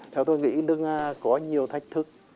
theo tôi nghĩ nước nga có nhiều thách thức